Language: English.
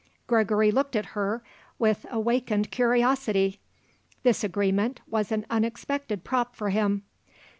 Gregory looked at her with awakened curiosity. This agreement was an unexpected prop for him.